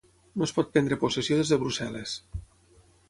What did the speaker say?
No es pot prendre possessió des de Brussel·les.